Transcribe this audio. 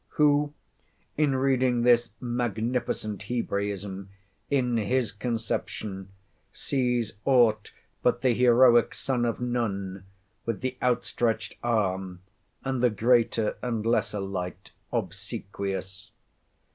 Who, in reading this magnificent Hebraism, in his conception, sees aught but the heroic son of Nun, with the out stretched arm, and the greater and lesser light obsequious?